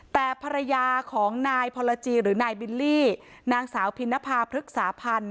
แต่ภรรยาของนายพรจีหรือนายบิลลี่นางสาวพินภาพฤกษาพันธ์